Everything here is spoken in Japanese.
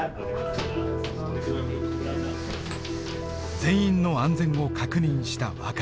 全員の安全を確認した若田。